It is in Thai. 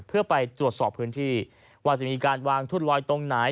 เพื่อไปตรวจสอบพื้นที่ว่าจะมีการวางทุดลอยตรงไหน